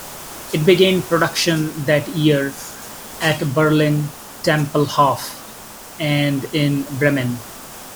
It began production that year at Berlin Tempelhof, and in Bremen.